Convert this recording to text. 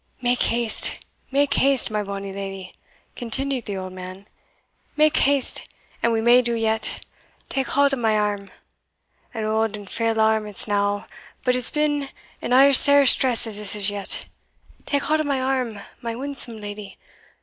"Mak haste, mak haste, my bonny leddy," continued the old man "mak haste, and we may do yet! Take haud o' my arm an auld and frail arm it's now, but it's been in as sair stress as this is yet. Take haud o' my arm, my winsome leddy!